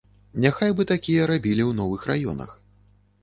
Няхай бы такія рабілі ў новых раёнах.